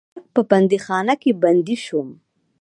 ارګ په بندیخانه کې بندي شوم.